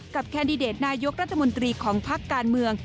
แคนดิเดตนายกรัฐมนตรีของพักการเมือง